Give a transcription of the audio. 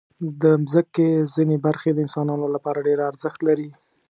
د مځکې ځینې برخې د انسانانو لپاره ډېر ارزښت لري.